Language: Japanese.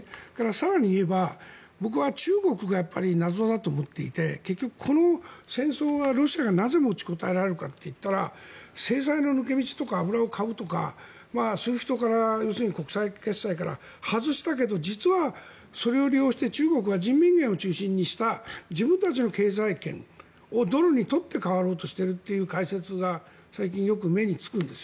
更に言えば、僕は中国が謎だと思っていて結局、この戦争はロシアがなぜ持ちこたえられるかというと制裁の抜け道とか油を買うとかＳＷＩＦＴから国際決済から外したけど実はそれを利用して中国が人民元を中心とした自分たちが経済圏をドルに取って代わろうとしているという解説が最近よく目につくんです。